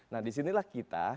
nah disinilah kita